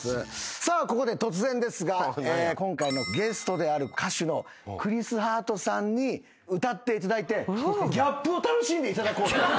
さあここで突然ですが今回のゲストである歌手のクリス・ハートさんに歌っていただいてギャップを楽しんでいただこうと。